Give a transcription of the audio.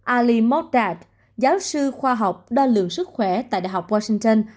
ali modra giáo sư khoa học đo lượng sức khỏe tại đại học washington